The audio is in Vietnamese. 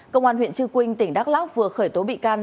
công an huyện chư quynh tỉnh đắk lóc vừa khởi tố bị can